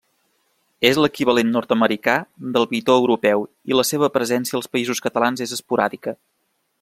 És l'equivalent nord-americà del bitó europeu i la seva presència als Països Catalans és esporàdica.